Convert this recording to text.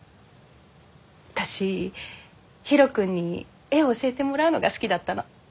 私ヒロ君に絵を教えてもらうのが好きだったの。